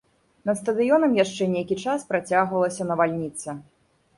Над стадыёнам яшчэ нейкі час працягвалася навальніца.